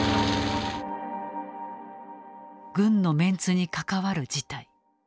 軍のメンツに関わる事態。